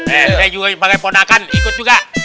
eh saya juga pake ponakan ikut juga